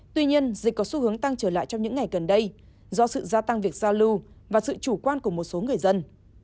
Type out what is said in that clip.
tuy nhiên dịch có xu hướng tăng trở lại trong những ngày gần đây do sự gia tăng việc giao lưu và sự chủ quan của một số người dân